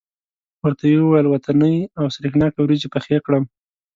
ورته یې وویل وطنۍ او سرېښناکه وریجې پخې کړم.